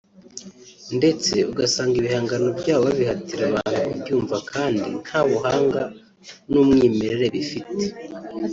ndetse ugasanga ibihangano byabo babihatira abantu kubyumva kandi ntabuhangan’umwimerere bifite